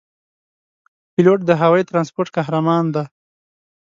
پیلوټ د هوايي ترانسپورت قهرمان دی.